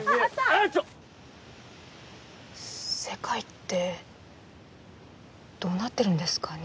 あっちょっ世界ってどうなってるんですかね？